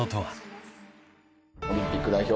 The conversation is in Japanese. オリンピック代表